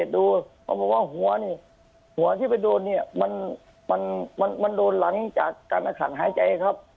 ตอนที่ไปดูเนี่ยมันโดนหลังจากการอาหารหายใจครับ